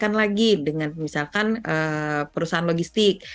kita bisa naikkan lagi dengan misalkan perusahaan logistik